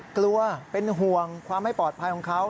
กลัวเป็นห่วงความไม่ปลอดภัยของเขา